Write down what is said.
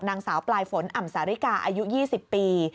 นางสาวปลายฝนอ่ำสาริกาอายุ๒๐ปี